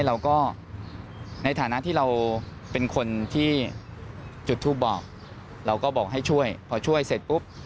เราก็ในฐานะที่เราเป็นคนที่จุดทูปบอกเราก็บอกให้ช่วยพอช่วยเสร็จปุ๊บ